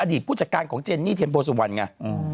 อดีตผู้จัดการของเจนนี่เทมโพสุวันไง